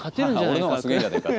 俺の方がすげえじゃないかと。